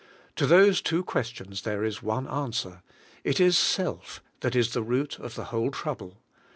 To those two questions there is one answer: it is self that is the root of the whole trouble.